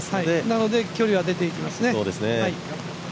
なので距離は出ていきますね。